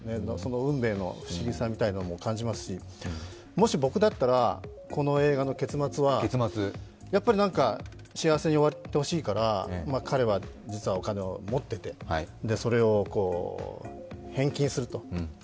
運命の不思議さみたいなものも感じますしもし、僕だったら、この映画の結末は、やっぱり幸せに終わってほしいから、彼は実はお金を持っていてそれを返金すると。